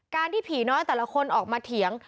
ที่ผีน้อยแต่ละคนออกมาเถียง